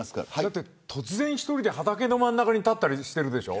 突然１人で、畑の真ん中に立ったりしてるでしょ。